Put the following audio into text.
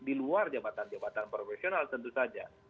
di luar jabatan jabatan profesional tentu saja